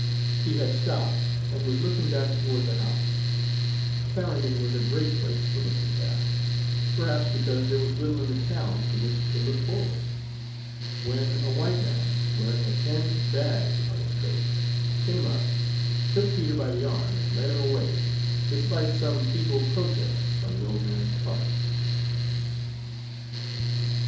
He had stopped, and was looking back toward the house Clarendon was a great place for looking back, perhaps because there was little in the town to which to look forward when a white man, wearing a tinned badge upon his coat, came up, took Peter by the arm and led him away, despite some feeble protests on the old man's part.